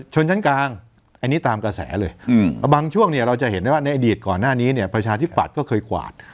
ชนชั้นกลางอันนี้ตามกระแสเลยบางช่วงเราจะเห็นว่าในอดีตก่อนหน้านี้ประชาทิกปัดก็เคยกวาด